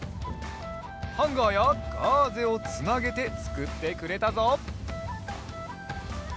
ハンガーやガーゼをつなげてつくってくれたぞ。